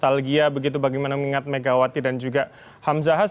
mulai bernostalgia begitu bagaimana mengingat megawati dan juga hamzahas